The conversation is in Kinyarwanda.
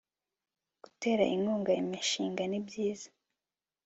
gutera inkunga imishinga nibyiza